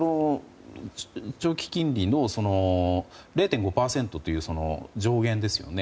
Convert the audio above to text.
長期金利の０．５％という上限ですよね。